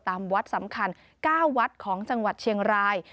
วัดสำคัญ๙วัดของจังหวัดเชียงราย